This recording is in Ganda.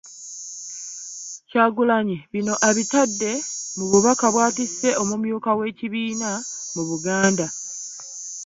Kyagulanyi bino abitadde mu bubaka bw'atisse omumyuka w'ekibiina mu Buganda